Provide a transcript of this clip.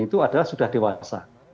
itu adalah sudah dewasa